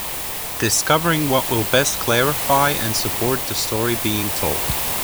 Discovering what will best clarify and support the story being told.